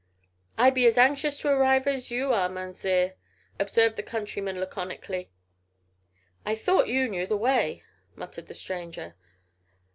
"I be as anxious to arrive as you are, Mounzeer," observed the countryman laconically. "I thought you knew the way," muttered the stranger.